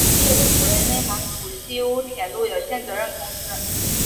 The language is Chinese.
业主为内蒙古锡乌铁路有限责任公司。